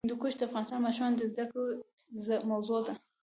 هندوکش د افغان ماشومانو د زده کړې موضوع ده.